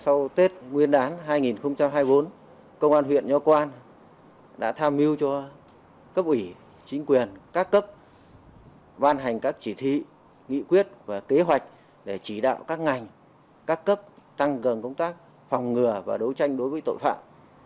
sau tết nguyên đán hai nghìn hai mươi bốn công an huyện nho quang đã tham mưu cho cấp ủy chính quyền các cấp ban hành các chỉ thị nghị quyết và kế hoạch để chỉ đạo các ngành các cấp tăng cường công tác phòng ngừa và đấu tranh đối với tội phạm